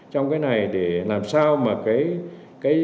trong cái này để làm sao mà cái